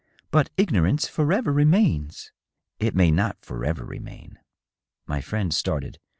" But ignorance forever remains." " It may not forever remain." My friend started.